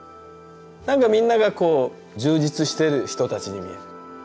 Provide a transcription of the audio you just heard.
なんかみんながこう充実してる人たちに見える。